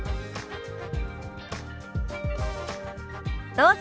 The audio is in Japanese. どうぞ。